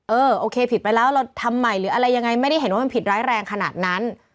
เออโอเคผิดไปแล้วเราทำใหม่หรืออะไรยังไงไม่ได้เห็นว่ามันผิดร้ายแรงขนาดนั้น